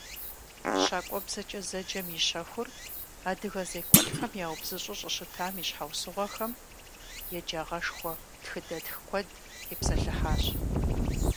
«ЩакӀуэбзэкӀэ» зэджэм и щэхур адыгэ зекӀуэлӀхэм яубзыщӀу щӀыщытам и щхьэусыгъуэхэм, еджагъэшхуэ тхыдэтх куэд тепсэлъыхьащ.